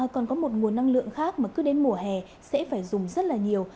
còn có một nguồn năng lượng khác mà cứ đến mùa hè sẽ phải dùng rất là nhiều